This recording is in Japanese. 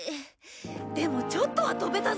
でもちょっとは飛べたぞ！